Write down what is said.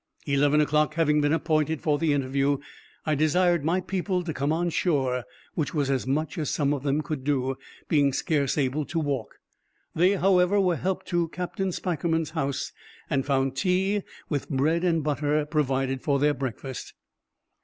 Eleven o'clock having been appointed for the interview, I desired my people to come on shore, which was as much as some of them could do, being scarce able to walk; they, however, were helped to Captain Spikerman's house, and found tea, with bread and butter, provided for their breakfast.